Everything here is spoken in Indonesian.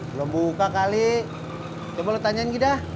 belum buka kali coba lo tanyain kita